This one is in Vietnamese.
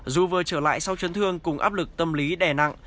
dù vừa trở lại sau chấn thương cùng áp lực tâm lý đè nặng